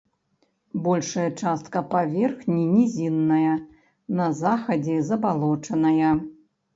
Большая частка паверхні нізінная, на захадзе забалочаная.